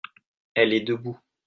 elle est debout.